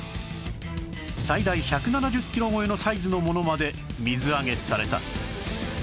最大１７０キロ超えのサイズのものまで水揚げされた